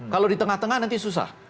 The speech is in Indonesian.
kalau di tengah tengah nanti susah